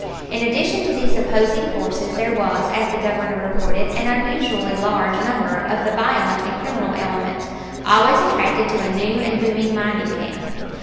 In addition to these opposing forces there was, as the Governor reported, an unusually large number of the violent and criminal element, always attracted to a new and booming mining camp.